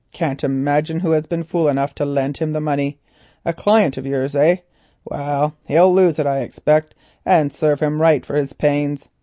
Can't imagine who has been fool enough to lend him the money. A client of yours, eh? Well, he'll lose it I expect, and serve him right for his pains.